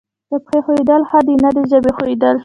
د پښې ښویېدل ښه دي نه د ژبې ښویېدل.